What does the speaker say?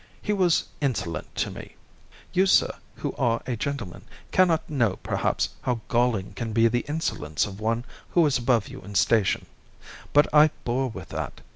He was insolent to me—you, sir, who are a gentleman, cannot know, perhaps, how galling can be the insolence of one who is above you in station—but I bore with that.